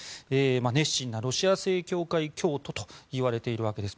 熱心なロシア正教会教徒といわれているんです。